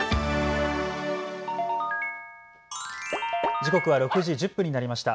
時刻は６時１０分になりました。